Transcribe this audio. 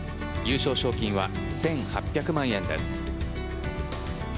優勝賞金は１８００万円です。